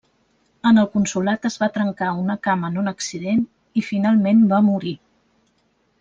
En el consolat es va trencar una cama en un accident, i finalment va morir.